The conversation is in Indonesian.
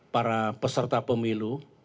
para peserta pemilu